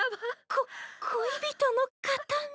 こ恋人の形見。